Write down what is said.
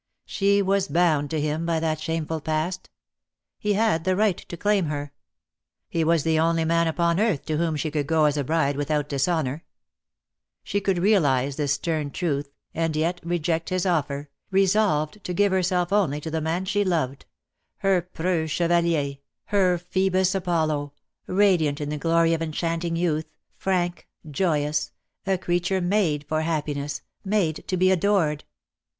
She was bound to him by that shameful past. He had the right to claim her. He was the only man upon earth to whom she could go as a bride without dishonour. She could realise this stern truth, and yet DEAD LOVE HAS CHAINS. 2^1 reject his offer, resolved to give herself only to the man she loved: her preux chevalier, her Phcebus Apollo, radiant in the glory of enchanting youth, frank, joyous, a creature made for happiness, made to be adored.